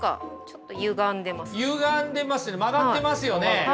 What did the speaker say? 何かゆがんでますよね曲がってますよね。